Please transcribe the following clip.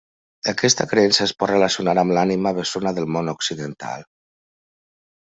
Aquesta creença es pot relacionar amb l'ànima bessona del món occidental.